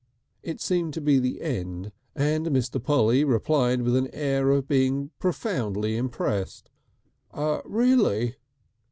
It seemed to be the end, and Mr. Polly replied with an air of being profoundly impressed: "Really!"